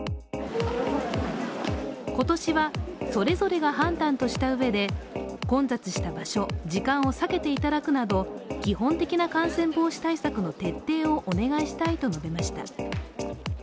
今年は、それぞれが判断としたうえで混雑した場所、時間を避けていただくなど基本的な感染防止対策の徹底をお願いしたいと述べました。